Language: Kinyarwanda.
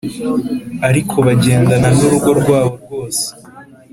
ariko bagendana n’urugo rwabo rwose!